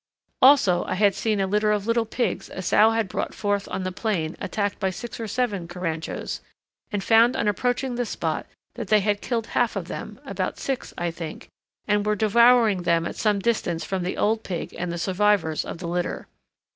Also I had seen a litter of little pigs a sow had brought forth on the plain attacked by six or seven caranchos, and found on approaching the spot that they had killed half of them (about six, I think), and were devouring them at some distance from the old pig and the survivors of the litter.